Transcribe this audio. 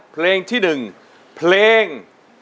เพลงที่๑เพลง